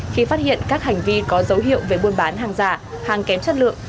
khi phát hiện các hành vi có dấu hiệu về buôn bán hàng giả hàng kém chất lượng